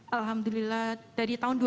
alhamdulillah dari tahun dua ribu dua